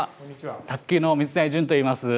卓球の水谷隼といいます。